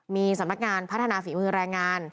มีสำนักงานพัฒนาฝีมือแรงงาน